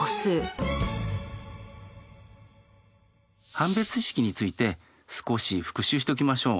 判別式について少し復習しておきましょう。